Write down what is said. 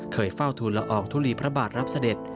เคยเฝ้าทูลละอองทุลีพระบาทรับเสด็จ